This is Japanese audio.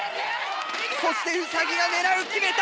そしてウサギが狙いを決めた！